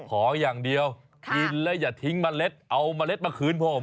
ขออย่างเดียวกินแล้วอย่าทิ้งเมล็ดเอาเมล็ดมาคืนผม